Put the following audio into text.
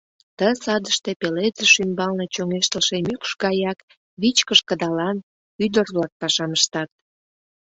Ты садыште пеледыш ӱмбалне чоҥештылше мӱкш гаяк вичкыж кыдалан, ӱдыр-влак пашам ыштат.